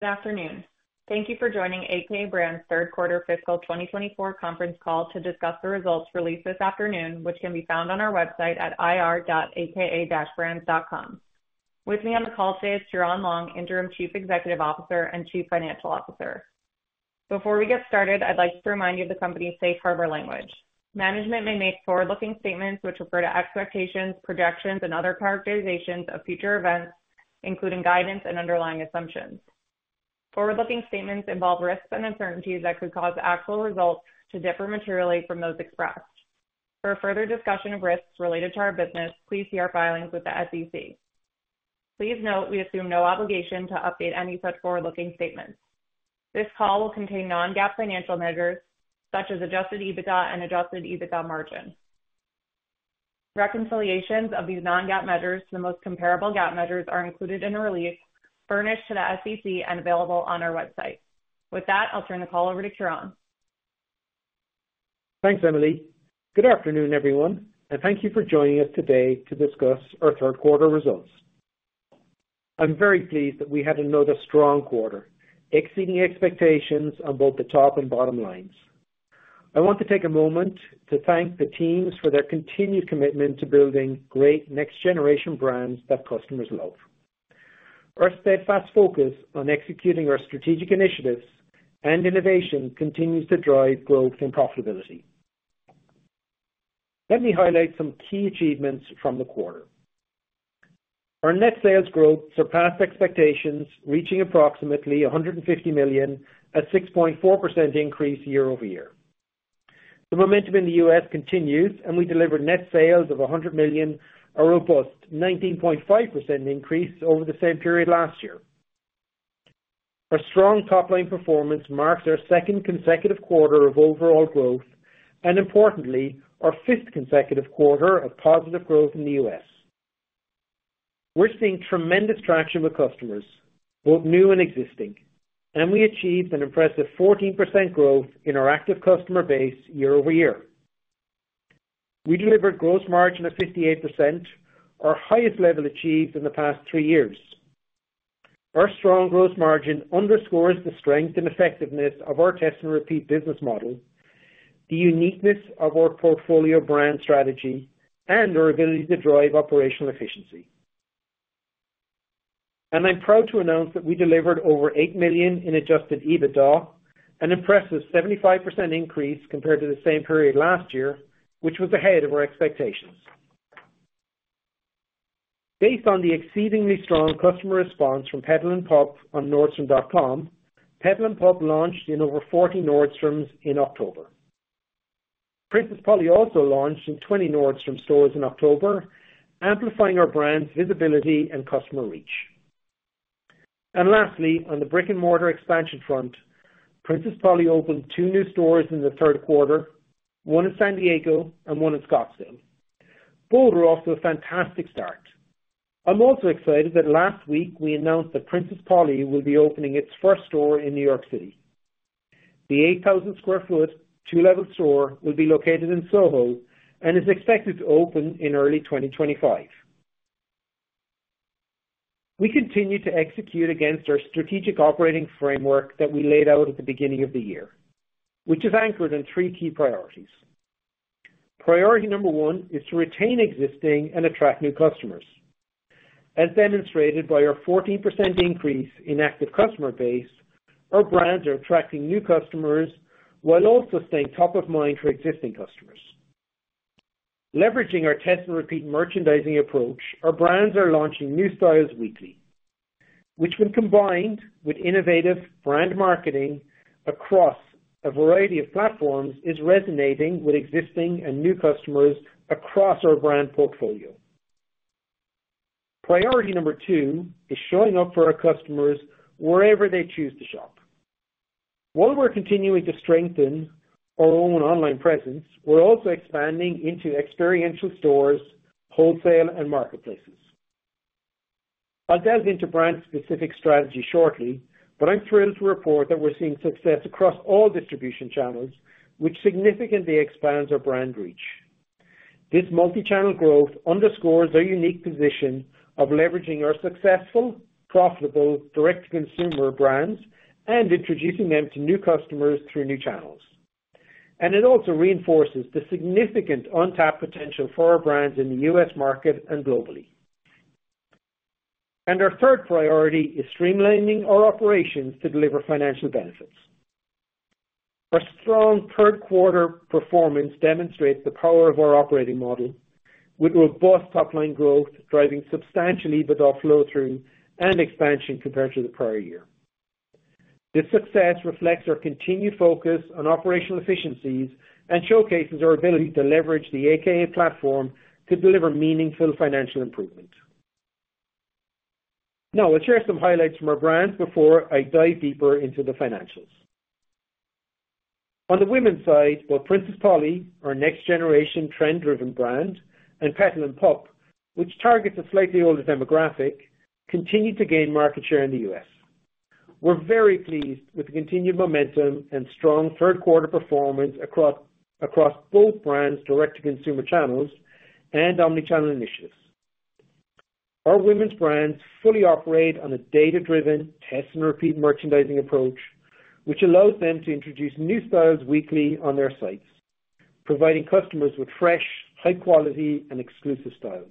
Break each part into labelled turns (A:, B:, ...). A: Good afternoon. Thank you for joining a.k.a. Brands' Q3 fiscal 2024 conference call to discuss the results released this afternoon, which can be found on our website at ir.akabrands.com. With me on the call today is Ciaran Long, Interim Chief Executive Officer and Chief Financial Officer. Before we get started, I'd like to remind you of the company's safe harbor language. Management may make forward-looking statements which refer to expectations, projections, and other characterizations of future events, including guidance and underlying assumptions. Forward-looking statements involve risks and uncertainties that could cause actual results to differ materially from those expressed. For further discussion of risks related to our business, please see our filings with the SEC. Please note we assume no obligation to update any such forward-looking statements. This call will contain non-GAAP financial measures such as adjusted EBITDA and adjusted EBITDA margin. Reconciliations of these non-GAAP measures to the most comparable GAAP measures are included in a release furnished to the SEC and available on our website. With that, I'll turn the call over to Ciaran.
B: Thanks, Emily. Good afternoon, everyone, and thank you for joining us today to discuss our Q3 results. I'm very pleased that we had a notably strong quarter, exceeding expectations on both the top and bottom lines. I want to take a moment to thank the teams for their continued commitment to building great next-generation brands that customers love. Our steadfast focus on executing our strategic initiatives and innovation continues to drive growth and profitability. Let me highlight some key achievements from the quarter. Our net sales growth surpassed expectations, reaching approximately $150 million, a 6.4% increase year-over-year. The momentum in the U.S. continues, and we delivered net sales of $100 million, a robust 19.5% increase over the same period last year. Our strong top-line performance marks our second consecutive quarter of overall growth and, importantly, our fifth consecutive quarter of positive growth in the U.S. We're seeing tremendous traction with customers, both new and existing, and we achieved an impressive 14% growth in our active customer base year over year. We delivered gross margin of 58%, our highest level achieved in the past three years. Our strong gross margin underscores the strength and effectiveness of our test-and-repeat business model, the uniqueness of our portfolio brand strategy, and our ability to drive operational efficiency. And I'm proud to announce that we delivered over $8 million in adjusted EBITDA, an impressive 75% increase compared to the same period last year, which was ahead of our expectations. Based on the exceedingly strong customer response from Petal & Pup on Nordstrom.com, Petal & Pup launched in over 40 Nordstroms in October. Princess Polly also launched in 20 Nordstrom stores in October, amplifying our brand's visibility and customer reach. Lastly, on the brick-and-mortar expansion front, Princess Polly opened two new stores in the Q3, one in San Diego and one in Scottsdale. Both are off to a fantastic start. I'm also excited that last week we announced that Princess Polly will be opening its first store in New York City. The 8,000 sq ft, two-level store will be located in SoHo and is expected to open in early 2025. We continue to execute against our strategic operating framework that we laid out at the beginning of the year, which is anchored in three key priorities. Priority number one is to retain existing and attract new customers. As demonstrated by our 14% increase in active customer base, our brands are attracting new customers while also staying top of mind for existing customers. Leveraging our test-and-repeat merchandising approach, our brands are launching new styles weekly, which, when combined with innovative brand marketing across a variety of platforms, is resonating with existing and new customers across our brand portfolio. Priority number two is showing up for our customers wherever they choose to shop. While we're continuing to strengthen our own online presence, we're also expanding into experiential stores, wholesale, and marketplaces. I'll delve into brand-specific strategy shortly, but I'm thrilled to report that we're seeing success across all distribution channels, which significantly expands our brand reach. This multi-channel growth underscores our unique position of leveraging our successful, profitable direct-to-consumer brands and introducing them to new customers through new channels. And it also reinforces the significant untapped potential for our brands in the U.S. market and globally. And our third priority is streamlining our operations to deliver financial benefits. Our strong third-quarter performance demonstrates the power of our operating model, with robust top-line growth driving substantial EBITDA flow-through and expansion compared to the prior year. This success reflects our continued focus on operational efficiencies and showcases our ability to leverage the a.k.a. platform to deliver meaningful financial improvement. Now, I'll share some highlights from our brands before I dive deeper into the financials. On the women's side, both Princess Polly, our next-generation trend-driven brand, and Petal & Pup, which targets a slightly older demographic, continue to gain market share in the U.S. We're very pleased with the continued momentum and strong third-quarter performance across both brands' direct-to-consumer channels and omnichannel initiatives. Our women's brands fully operate on a data-driven test-and-repeat merchandising approach, which allows them to introduce new styles weekly on their sites, providing customers with fresh, high-quality, and exclusive styles.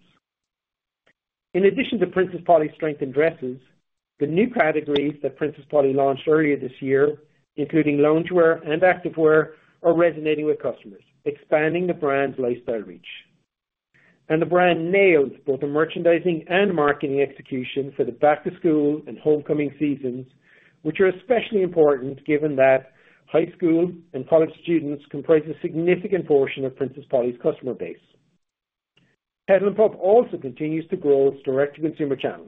B: In addition to Princess Polly's strength in dresses, the new categories that Princess Polly launched earlier this year, including loungewear and activewear, are resonating with customers, expanding the brand's lifestyle reach, and the brand nails both the merchandising and marketing execution for the back-to-school and homecoming seasons, which are especially important given that high school and college students comprise a significant portion of Princess Polly's customer base. Petal & Pup also continues to grow its direct-to-consumer channel,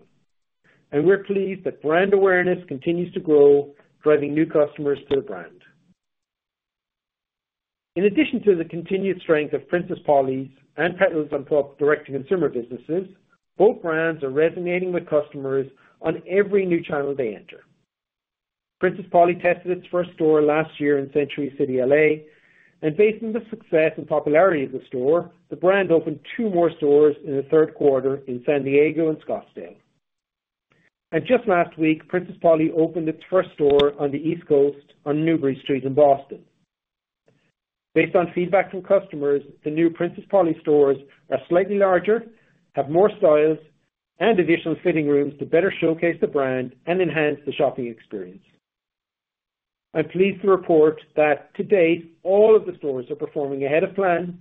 B: and we're pleased that brand awareness continues to grow, driving new customers to the brand. In addition to the continued strength of Princess Polly's and Petal & Pup's direct-to-consumer businesses, both brands are resonating with customers on every new channel they enter. Princess Polly tested its first store last year in Century City, L.A., and based on the success and popularity of the store, the brand opened two more stores in the Q3 in San Diego and Scottsdale. And just last week, Princess Polly opened its first store on the East Coast on Newbury Street in Boston. Based on feedback from customers, the new Princess Polly stores are slightly larger, have more styles, and additional fitting rooms to better showcase the brand and enhance the shopping experience. I'm pleased to report that to date, all of the stores are performing ahead of plan,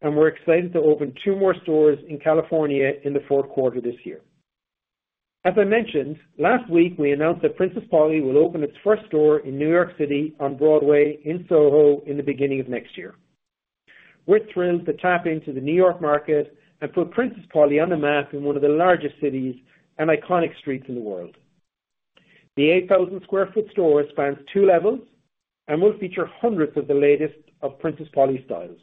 B: and we're excited to open two more stores in California in the Q3 this year. As I mentioned, last week we announced that Princess Polly will open its first store in New York City on Broadway in Soho in the beginning of next year. We're thrilled to tap into the New York market and put Princess Polly on the map in one of the largest cities and iconic streets in the world. The 8,000 sq ft store spans two levels and will feature hundreds of the latest of Princess Polly styles.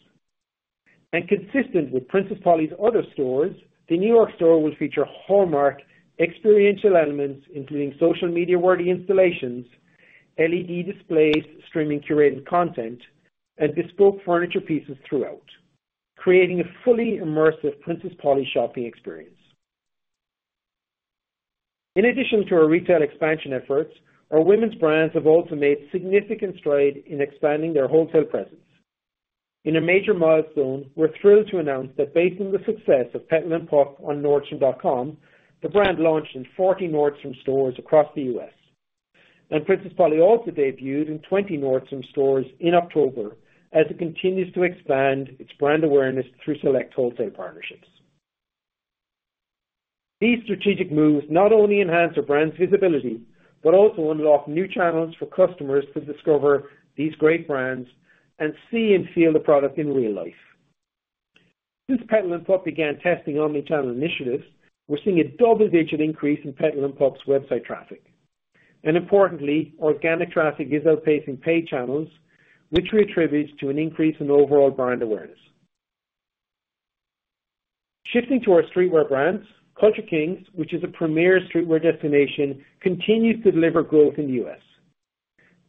B: Consistent with Princess Polly's other stores, the New York store will feature hallmark experiential elements, including social media-worthy installations, LED displays streaming curated content, and bespoke furniture pieces throughout, creating a fully immersive Princess Polly shopping experience. In addition to our retail expansion efforts, our women's brands have also made significant strides in expanding their wholesale presence. In a major milestone, we're thrilled to announce that based on the success of Petal & Pup on Nordstrom.com, the brand launched in 40 Nordstrom stores across the U.S. Princess Polly also debuted in 20 Nordstrom stores in October as it continues to expand its brand awareness through select wholesale partnerships. These strategic moves not only enhance our brand's visibility but also unlock new channels for customers to discover these great brands and see and feel the product in real life. Since Petal & Pup began testing omnichannel initiatives, we're seeing a double-digit increase in Petal & Pup's website traffic. Importantly, organic traffic is outpacing paid channels, which we attribute to an increase in overall brand awareness. Shifting to our streetwear brands, Culture Kings, which is a premier streetwear destination, continues to deliver growth in the U.S.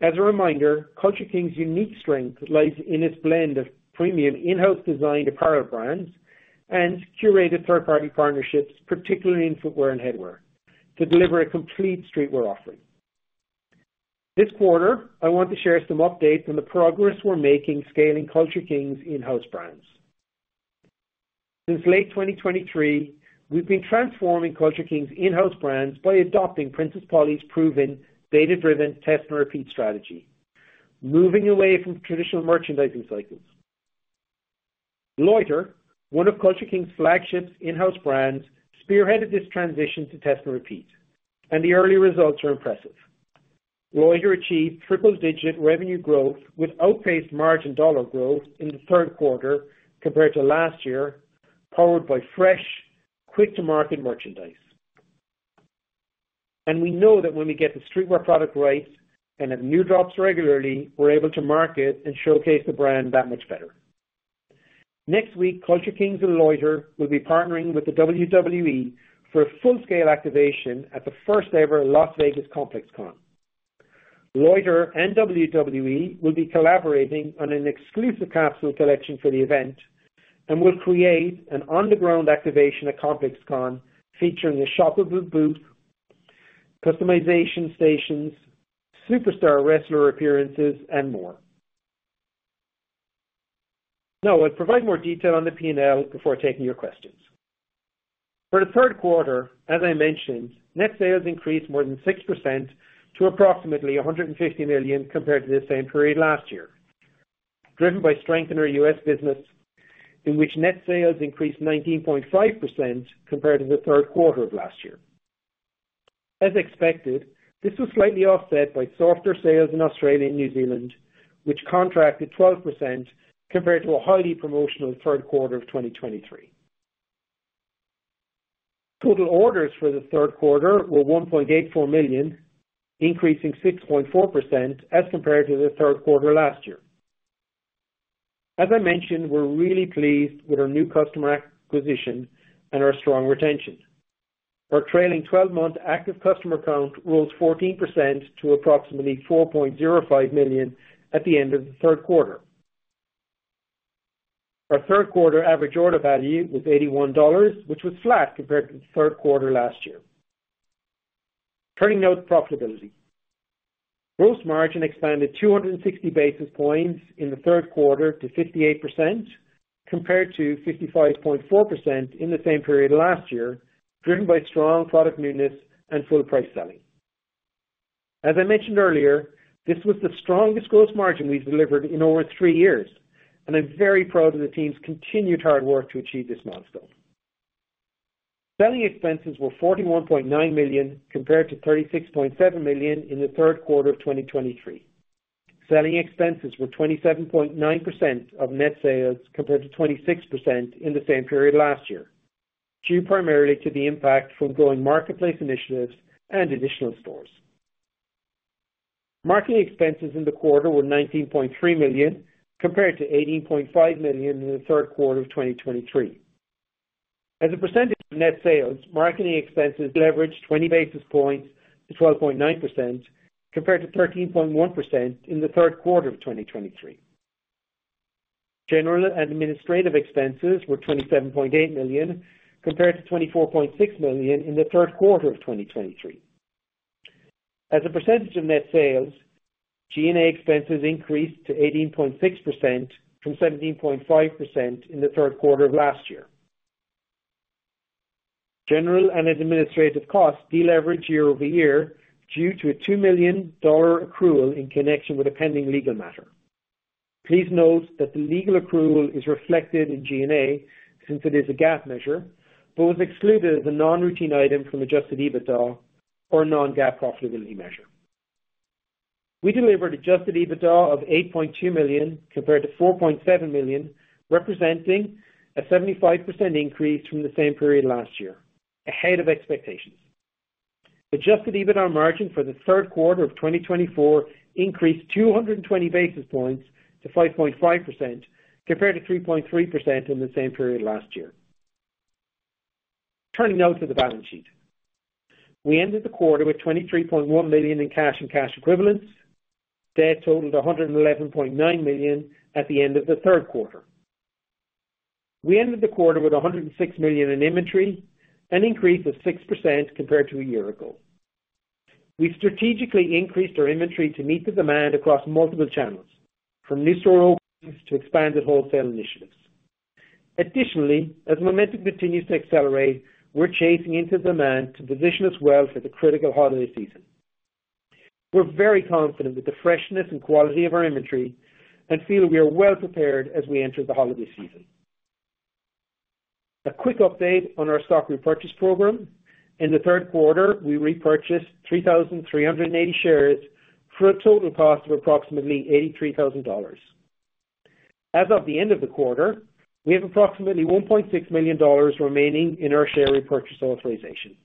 B: As a reminder, Culture Kings' unique strength lies in its blend of premium in-house designed apparel brands and curated third-party partnerships, particularly in footwear and headwear, to deliver a complete streetwear offering. This quarter, I want to share some updates on the progress we're making scaling Culture Kings' in-house brands. Since late 2023, we've been transforming Culture Kings' in-house brands by adopting Princess Polly's proven data-driven test-and-repeat strategy, moving away from traditional merchandising cycles. Loiter, one of Culture Kings' flagship in-house brands, spearheaded this transition to test-and-repeat, and the early results are impressive. Loiter achieved triple-digit revenue growth with outpaced margin dollar growth in the Q3 compared to last year, powered by fresh, quick-to-market merchandise. And we know that when we get the streetwear product right and have new drops regularly, we're able to market and showcase the brand that much better. Next week, Culture Kings and Loiter will be partnering with the WWE for a full-scale activation at the first-ever Las Vegas ComplexCon. Loiter and WWE will be collaborating on an exclusive capsule collection for the event and will create an underground activation at ComplexCon featuring a shoppable booth, customization stations, superstar wrestler appearances, and more. Now, I'll provide more detail on the P&L before taking your questions. For the Q3, as I mentioned, net sales increased more than 6% to approximately $150 million compared to the same period last year, driven by strength in our U.S. business, in which net sales increased 19.5% compared to the Q3 of last year. As expected, this was slightly offset by softer sales in Australia and New Zealand, which contracted 12% compared to a highly promotional Q3 of 2023. Total orders for the Q3 were 1.84 million, increasing 6.4% as compared to the Q3 last year. As I mentioned, we're really pleased with our new customer acquisition and our strong retention. Our trailing 12-month active customer count rose 14% to approximately 4.05 million at the end of the Q3. Our third-quarter average order value was $81, which was flat compared to the Q3 last year. Turning now to profitability. Gross margin expanded 260 basis points in the Q3 to 58% compared to 55.4% in the same period last year, driven by strong product newness and full-price selling. As I mentioned earlier, this was the strongest gross margin we've delivered in over three years, and I'm very proud of the team's continued hard work to achieve this milestone. Selling expenses were $41.9 million compared to $36.7 million in the Q3 of 2023. Selling expenses were 27.9% of net sales compared to 26% in the same period last year, due primarily to the impact from growing marketplace initiatives and additional stores. Marketing expenses in the quarter were $19.3 million compared to $18.5 million in the Q3 of 2023. As a percentage of net sales, marketing expenses leveraged 20 basis points to 12.9% compared to 13.1% in the Q3 of 2023. General and administrative expenses were $27.8 million compared to $24.6 million in the Q3 of 2023. As a percentage of net sales, G&A expenses increased to 18.6% from 17.5% in the Q3 of last year. General and administrative costs deleveraged year over year due to a $2 million accrual in connection with a pending legal matter. Please note that the legal accrual is reflected in G&A since it is a GAAP measure but was excluded as a non-routine item from Adjusted EBITDA or a Non-GAAP profitability measure. We delivered Adjusted EBITDA of $8.2 million compared to $4.7 million, representing a 75% increase from the same period last year, ahead of expectations. Adjusted EBITDA margin for the Q3 of 2024 increased 220 basis points to 5.5% compared to 3.3% in the same period last year. Turning now to the balance sheet. We ended the quarter with $23.1 million in cash and cash equivalents. Debt totaled $111.9 million at the end of the Q3. We ended the quarter with $106 million in inventory, an increase of 6% compared to a year ago. We strategically increased our inventory to meet the demand across multiple channels, from new store openings to expanded wholesale initiatives. Additionally, as momentum continues to accelerate, we're chasing into demand to position us well for the critical holiday season. We're very confident with the freshness and quality of our inventory and feel we are well prepared as we enter the holiday season. A quick update on our stock repurchase program. In the Q3, we repurchased 3,380 shares for a total cost of approximately $83,000. As of the end of the quarter, we have approximately $1.6 million remaining in our share repurchase authorization.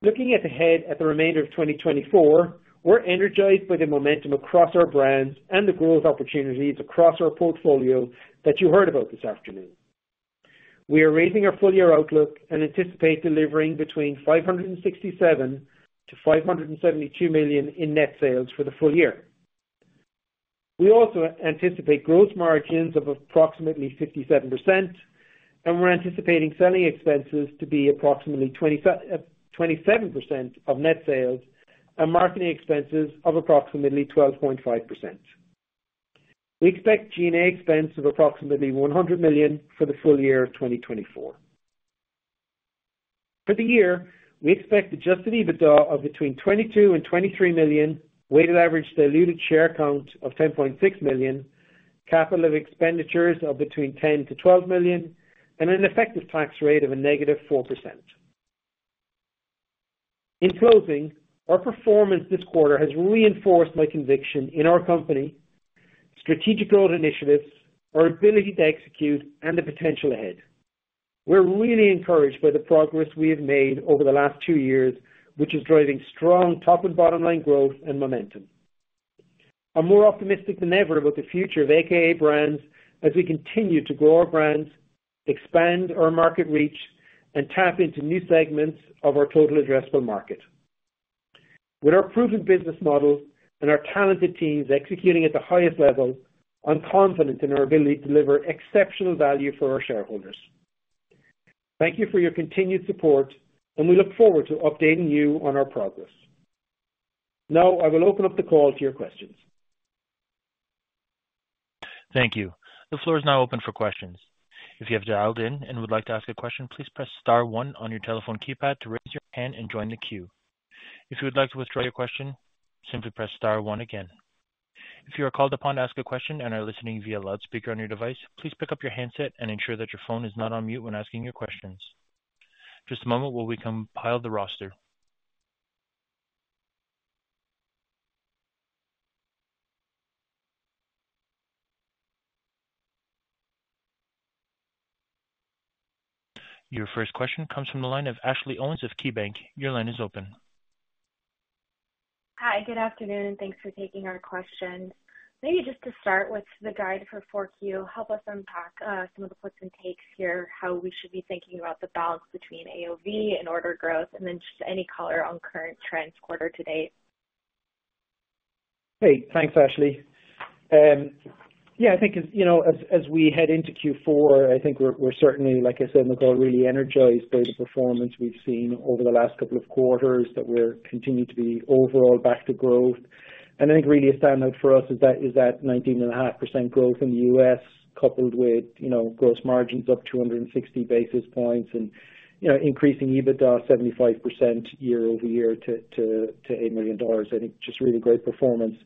B: Looking ahead at the remainder of 2024, we're energized by the momentum across our brands and the growth opportunities across our portfolio that you heard about this afternoon. We are raising our full-year outlook and anticipate delivering between $567-$572 million in net sales for the full year. We also anticipate gross margins of approximately 57%, and we're anticipating selling expenses to be approximately 27% of net sales and marketing expenses of approximately 12.5%. We expect G&A expenses of approximately $100 million for the full year of 2024. For the year, we expect adjusted EBITDA of between $22 and $23 million, weighted average diluted share count of $10.6 million, capital expenditures of between $10-$12 million, and an effective tax rate of a -4%. In closing, our performance this quarter has reinforced my conviction in our company, strategic growth initiatives, our ability to execute, and the potential ahead. We're really encouraged by the progress we have made over the last two years, which is driving strong top and bottom-line growth and momentum. I'm more optimistic than ever about the future of a.k.a. Brands as we continue to grow our brands, expand our market reach, and tap into new segments of our total addressable market. With our proven business model and our talented teams executing at the highest level, I'm confident in our ability to deliver exceptional value for our shareholders. Thank you for your continued support, and we look forward to updating you on our progress. Now, I will open up the call to your questions.
C: Thank you. The floor is now open for questions. If you have dialed in and would like to ask a question, please press star one on your telephone keypad to raise your hand and join the queue. If you would like to withdraw your question, simply press star one again. If you are called upon to ask a question and are listening via loudspeaker on your device, please pick up your handset and ensure that your phone is not on mute when asking your questions. Just a moment while we compile the roster. Your first question comes from the line of Ashley Owens of KeyBanc. Your line is open.
D: Hi, good afternoon. Thanks for taking our questions. Maybe just to start with the guide for Q4, help us unpack some of the points and takes here, how we should be thinking about the balance between AOV and order growth, and then just any color on current trends quarter to date.
B: Great. Thanks, Ashley. Yeah, I think as we head into Q4, I think we're certainly, like I said, we're all really energized by the performance we've seen over the last couple of quarters, that we're continuing to be overall back to growth. And I think really a standout for us is that 19.5% growth in the U.S., coupled with gross margins up 260 basis points and increasing EBITDA 75% year over year to $8 million. I think just really great performance.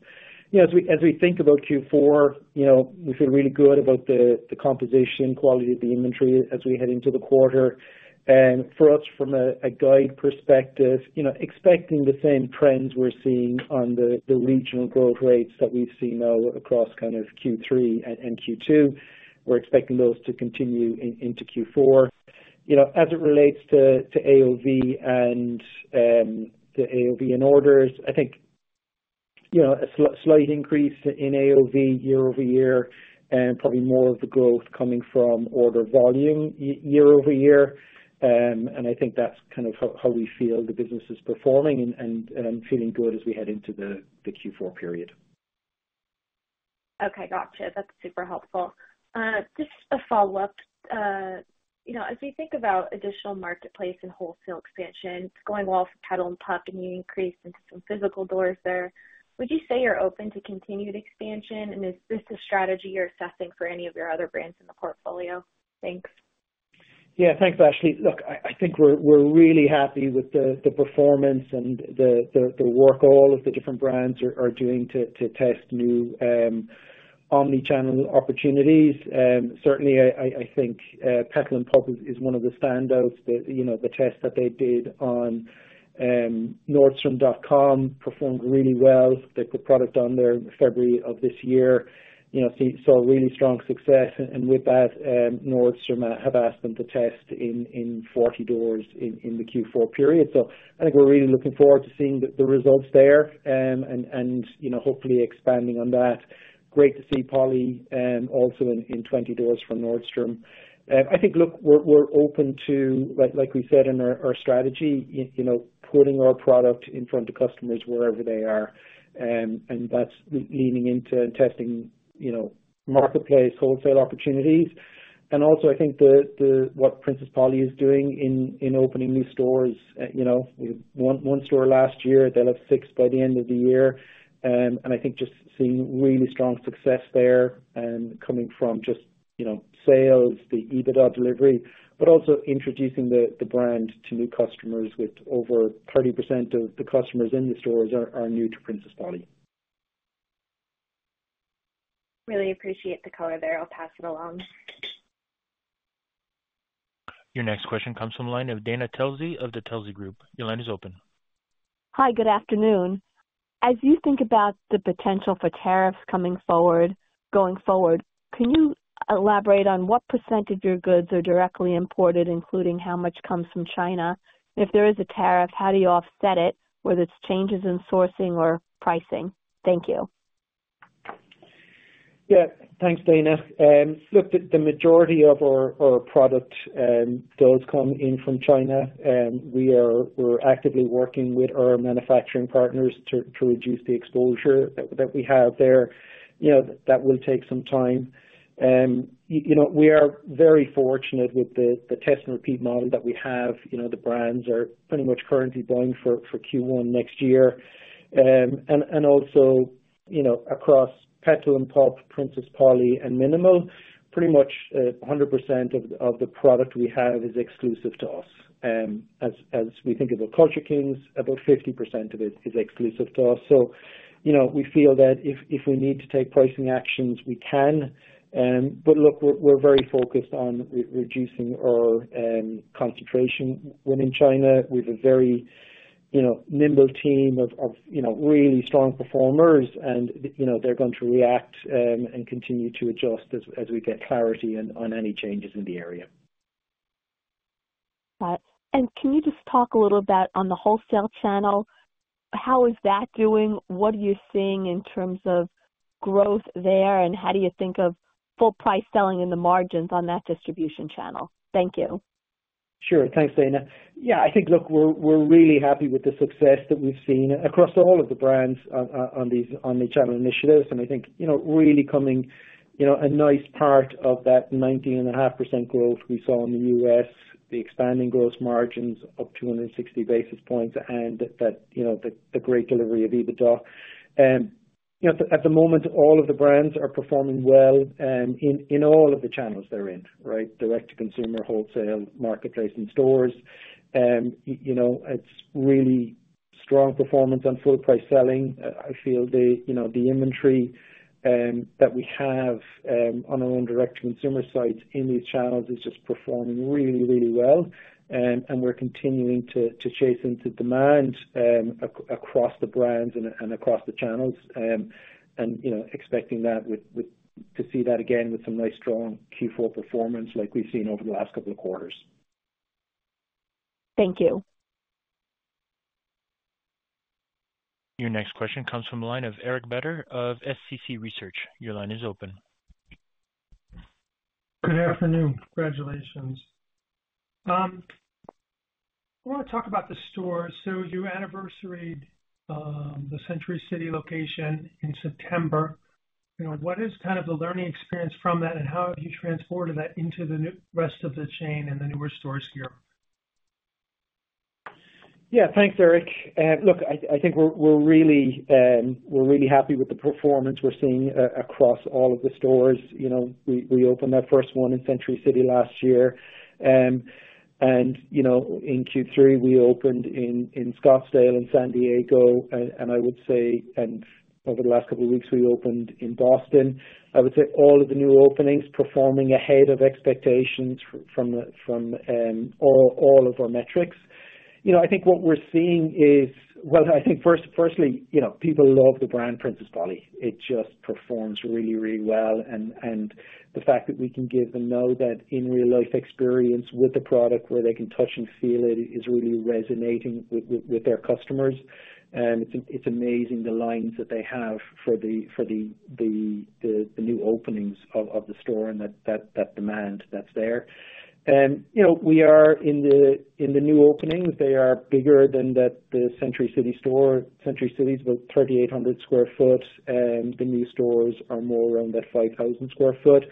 B: As we think about Q4, we feel really good about the composition, quality of the inventory as we head into the quarter. For us, from a guide perspective, expecting the same trends we're seeing on the regional growth rates that we've seen now across kind of Q3 and Q2. We're expecting those to continue into Q4. As it relates to AOV and the AOV in orders, I think a slight increase in AOV year over year and probably more of the growth coming from order volume year over year. And I think that's kind of how we feel the business is performing and feeling good as we head into the Q4 period.
D: Okay. Gotcha. That's super helpful. Just a follow-up. As we think about additional marketplace and wholesale expansion, it's going well for Petal & Pup, and you increased into some physical doors there. Would you say you're open to continued expansion, and is this a strategy you're assessing for any of your other brands in the portfolio? Thanks.
B: Yeah. Thanks, Ashley. Look, I think we're really happy with the performance and the work all of the different brands are doing to test new omnichannel opportunities. Certainly, I think Petal & Pup is one of the standouts. The test that they did on Nordstrom.com performed really well. They put product on there in February of this year, saw really strong success, and with that, Nordstrom have asked them to test in 40 doors in the Q4 period. So I think we're really looking forward to seeing the results there and hopefully expanding on that. Great to see Polly also in 20 doors from Nordstrom. I think, look, we're open to, like we said in our strategy, putting our product in front of customers wherever they are, and that's leaning into and testing marketplace wholesale opportunities. And also, I think what Princess Polly is doing in opening new stores. We had one store last year. They'll have six by the end of the year. And I think just seeing really strong success there coming from just sales, the EBITDA delivery, but also introducing the brand to new customers with over 30% of the customers in the stores are new to Princess Polly.
D: Really appreciate the color there. I'll pass it along.
C: Your next question comes from the line of Dana Telsey of the Telsey Group. Your line is open.
E: Hi, good afternoon. As you think about the potential for tariffs coming forward, going forward, can you elaborate on what % of your goods are directly imported, including how much comes from China? If there is a tariff, how do you offset it, whether it's changes in sourcing or pricing? Thank you.
B: Yeah. Thanks, Dana. Look, the majority of our product does come in from China. We're actively working with our manufacturing partners to reduce the exposure that we have there. That will take some time. We are very fortunate with the test and repeat model that we have. The brands are pretty much currently buying for Q1 next year. And also, across Petal & Pup, Princess Polly, and mnml, pretty much 100% of the product we have is exclusive to us. As we think of the Culture Kings, about 50% of it is exclusive to us. So we feel that if we need to take pricing actions, we can. But look, we're very focused on reducing our concentration. When in China, we have a very nimble team of really strong performers, and they're going to react and continue to adjust as we get clarity on any changes in the area.
E: And can you just talk a little bit on the wholesale channel? How is that doing? What are you seeing in terms of growth there, and how do you think of full-price selling in the margins on that distribution channel? Thank you.
B: Sure. Thanks, Dana. Yeah, I think, look, we're really happy with the success that we've seen across all of the brands on the channel initiatives. And I think really coming a nice part of that 19.5% growth we saw in the U.S., the expanding gross margins of 260 basis points, and the great delivery of EBITDA. At the moment, all of the brands are performing well in all of the channels they're in, right? Direct-to-consumer, wholesale, marketplace, and stores. It's really strong performance on full-price selling. I feel the inventory that we have on our own direct-to-consumer sites in these channels is just performing really, really well. We're continuing to chase into demand across the brands and across the channels, and expecting to see that again with some nice strong Q4 performance like we've seen over the last couple of quarters.
E: Thank you.
C: Your next question comes from the line of Eric Beder of SCC Research. Your line is open.
F: Good afternoon. Congratulations. I want to talk about the store. So your anniversary, the Century City location in September, what is kind of the learning experience from that, and how have you transported that into the rest of the chain and the newer stores here?
B: Yeah. Thanks, Eric. Look, I think we're really happy with the performance we're seeing across all of the stores. We opened our first one in Century City last year. In Q3, we opened in Scottsdale and San Diego, and I would say over the last couple of weeks, we opened in Boston. I would say all of the new openings performing ahead of expectations from all of our metrics. I think what we're seeing is, well, I think firstly, people love the brand Princess Polly. It just performs really, really well. And the fact that we can give them, you know, that in real-life experience with the product where they can touch and feel it is really resonating with their customers. It's amazing the lines that they have for the new openings of the store and that demand that's there. We are in the new openings. They are bigger than the Century City store. Century City is about 3,800 sq ft. The new stores are more around that 5,000 sq ft.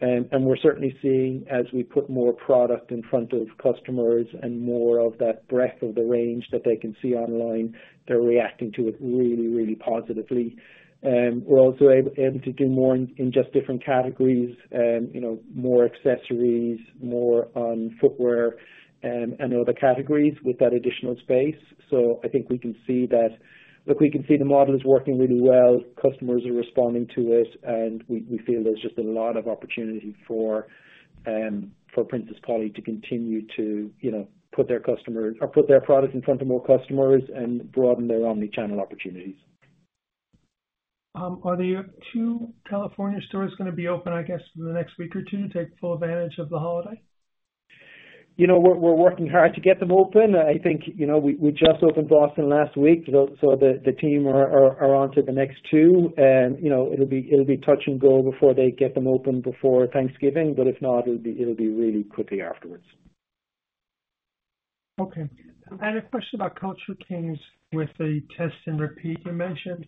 B: And we're certainly seeing, as we put more product in front of customers and more of that breadth of the range that they can see online, they're reacting to it really, really positively. We're also able to do more in just different categories, more accessories, more on footwear, and other categories with that additional space. So I think we can see that. Look, we can see the model is working really well. Customers are responding to it, and we feel there's just a lot of opportunity for Princess Polly to continue to put their customers or put their product in front of more customers and broaden their omnichannel opportunities.
F: Are there two California stores going to be open, I guess, in the next week or two to take full advantage of the holiday?
B: We're working hard to get them open. I think we just opened Boston last week, so the team are on to the next two, and it'll be touch and go before they get them open before Thanksgiving, but if not, it'll be really quickly afterwards.
F: Okay. I had a question about Culture Kings with the test and repeat you mentioned.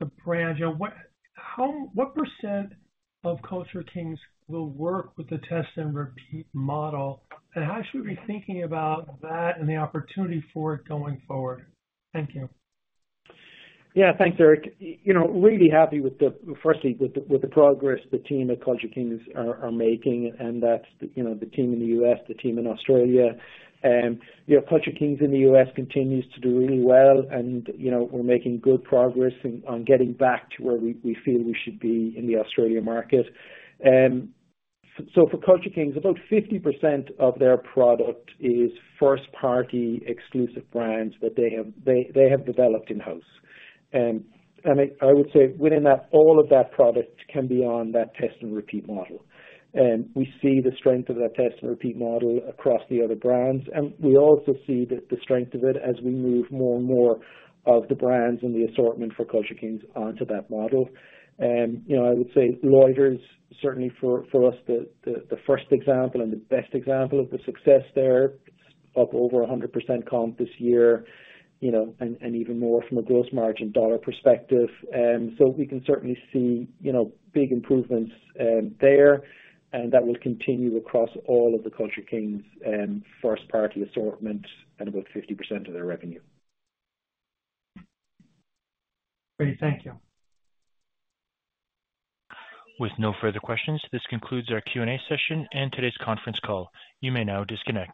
F: The brand, what % of Culture Kings will work with the test and repeat model, and how should we be thinking about that and the opportunity for it going forward? Thank you.
B: Yeah. Thanks, Eric. Really happy with, firstly, the progress the team at Culture Kings are making, and that's the team in the U.S., the team in Australia. Culture Kings in the U.S. continues to do really well, and we're making good progress on getting back to where we feel we should be in the Australia market. So for Culture Kings, about 50% of their product is first-party exclusive brands that they have developed in-house. And I would say within that, all of that product can be on that test and repeat model. We see the strength of that test and repeat model across the other brands. And we also see the strength of it as we move more and more of the brands and the assortment for Culture Kings onto that model. I would say Loiter, certainly for us, the first example and the best example of the success there. It's up over 100% comp this year and even more from a gross margin dollar perspective. So we can certainly see big improvements there, and that will continue across all of the Culture Kings first-party assortment and about 50% of their revenue.
F: Great. Thank you.
C: With no further questions, this concludes our Q&A session and today's conference call. You may now disconnect.